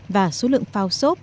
và số lượng phao sốt